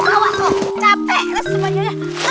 capek res semuanya